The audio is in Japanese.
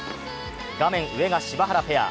画面上が柴原ペア。